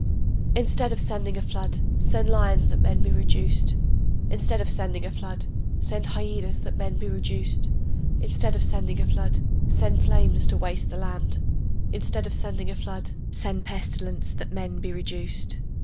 Instead of sending a flood, send lions that men be reduced; Instead of sending a flood, send hyenas that men be reduced; Instead of sending a flood, send flames to waste the land; Instead of sending a flood, send pestilence that men be reduced.